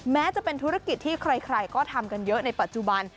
แม้จะเป็นธุรกิจที่ใครก็ทำกันเยอะในปัจจุบัน